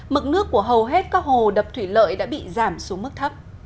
mực nước của hầu hết các hồ đập thủy lợi đã bị giảm xuống mức thấp